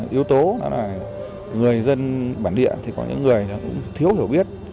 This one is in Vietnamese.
một yếu tố là người dân bản địa có những người thiếu hiểu biết